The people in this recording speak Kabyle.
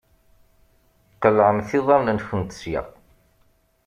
Qelɛemt iḍaṛṛen-nkent sya!